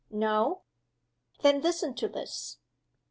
"No." "Then listen to this.